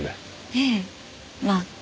ええまあ。